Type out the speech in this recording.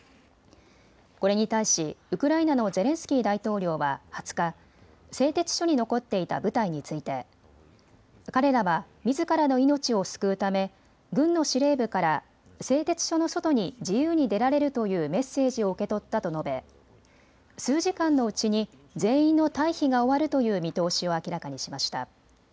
これに対しウクライナのゼレンスキー大統領は２０日、製鉄所に残っていた部隊について彼らはみずからの命を救うため軍の司令部から製鉄所の外に自由に出られるというメッセージを受け取ったと述べ数時間のうちに全員の退避が終わるという見通しを明らかにしました。